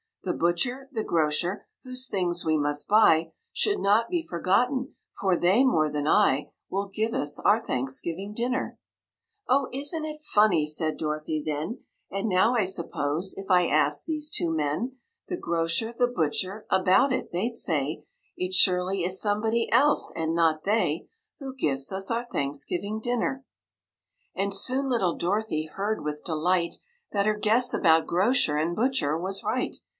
The butcher, the grocer, whose things we must buy, Should not be forgotten, for they more than I Will give us our Thanksgiving Dinner." "Oh! isn't it funny?" said Dorothy, then; "And now, I suppose, if I asked these two men, The grocer, the butcher, about it, they'd say It surely is somebody else and not they Who gives us our Thanksgiving Dinner." And soon little Dorothy heard with delight That her guess about grocer and butcher was right.